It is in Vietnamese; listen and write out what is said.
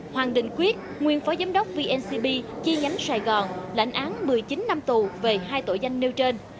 hoàng đình quyết nguyên phó giám đốc vncb chi nhánh sài gòn lãnh án một mươi chín năm tù về hai tội danh nêu trên